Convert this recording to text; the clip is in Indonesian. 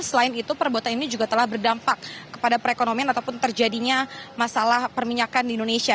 selain itu perbuatan ini juga telah berdampak kepada perekonomian ataupun terjadinya masalah perminyakan di indonesia